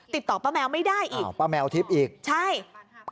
ติดต่อป้าแมวไม่ได้อีกมาทิบอีกใช่อ่อป้าแมวทิบ